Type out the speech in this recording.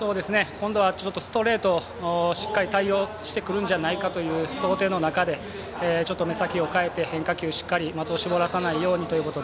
今度はストレートしっかり対応してくるんじゃないかという想定の中で、目先を変えて変化球しっかり的を絞らせないようにという